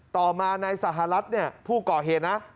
ต่อมานายสหรัฐเนี่ยผู้ก่อเหตุนะ